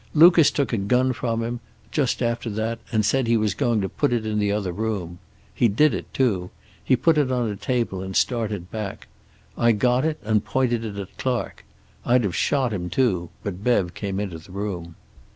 Lucas took a gun from him, just after that, and said he was going to put it in the other room. He did it, too. He put it on a table and started back. I got it and pointed it at Clark. I'd have shot him, too, but Bev came into the room.